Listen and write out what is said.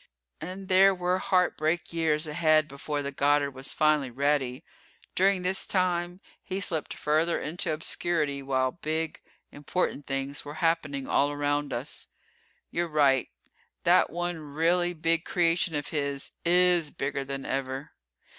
And there were heartbreak years ahead before the Goddard was finally ready. During this time he slipped further into obscurity while big, important things were happening all around us. You're right, that one really big creation of his is bigger than ever.